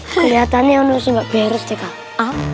keliatannya udah sempat beres deh kak